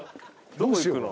どこ行くの？